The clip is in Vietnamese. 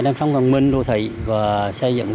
đêm sống văn minh đô thị và xây dựng